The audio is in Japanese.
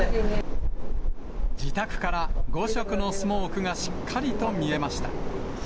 自宅から五色のスモークがしっかりと見えました。